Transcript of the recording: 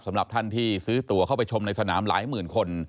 สำหรับท่านที่ซื้อตัวเข้าไปชมในสนามหลายหมื่นคน